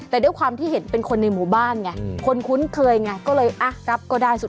แต่ด้วยความที่เขาเห็นเป็นในของหมู่บ้านเนี่ยคนมีความคุ้นได้นะ